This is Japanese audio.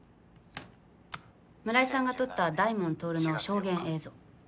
村井さんが撮った大門亨の証言映像。